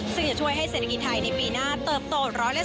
ซึ่งจะช่วยให้เศรษฐกิจไทยในปีหน้าเติบโต๑๑